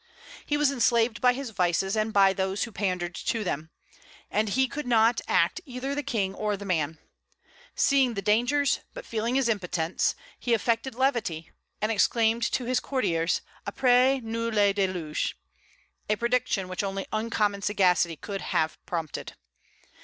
He was enslaved by his vices, and by those who pandered to them; and he could not act either the king or the man. Seeing the dangers, but feeling his impotence, he affected levity, and exclaimed to his courtiers Après nous le déluge, a prediction which only uncommon sagacity could have prompted.